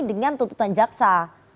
dengan tuntutan jaksa